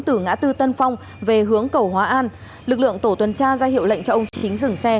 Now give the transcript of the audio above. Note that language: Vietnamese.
từ ngã tư tân phong về hướng cầu hóa an lực lượng tổ tuần tra ra hiệu lệnh cho ông chính dừng xe